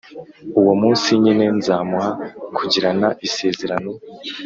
Uwo munsi nyine, nzamuha kugirana isezerano